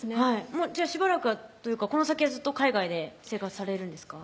もうじゃあしばらくはというかこの先はずっと海外で生活されるんですか？